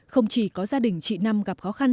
không chỉ có gia đình chị năm gặp khó khăn